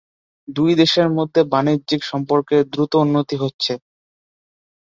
দুই দেশের মধ্যে বাণিজ্যিক সম্পর্কের দ্রুত উন্নতি হচ্ছে।